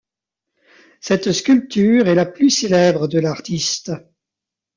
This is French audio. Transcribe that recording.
Cette sculpture est la plus célèbre de l'artiste.